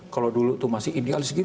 kalau dulu itu masih idealis gitu